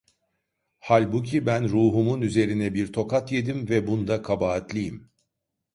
Halbuki ben ruhumun üzerine bir tokat yedim ve bunda kabahatliyim!